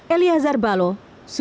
eliazar balik pembelian nihiwatu